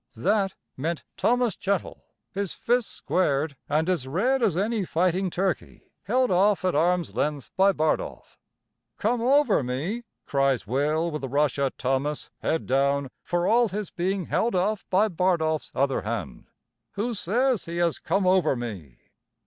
"That" meant Thomas Chettle, his fists squared, and as red as any fighting turkey, held off at arm's length by Bardolph. "Come over me!" cries Will, with a rush at Thomas, head down, for all his being held off by Bardolph's other hand. "Who says he has come over me?"